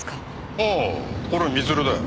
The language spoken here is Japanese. ああこれ光留だよ。